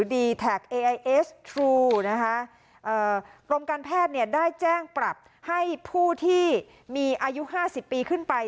กรมการแพทย์เนี่ยได้แจ้งปรับให้ผู้ที่มีอายุ๕๐ปีขึ้นไป